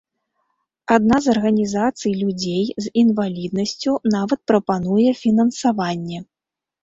Адна з арганізацый людзей з інваліднасцю нават прапануе фінансаванне.